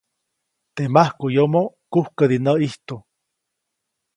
Teʼ majkuʼyomo, kujkädi näʼ ʼijtu.